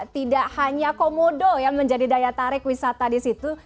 tidak hanya komodo yang menjadi daya tarik wisata di situ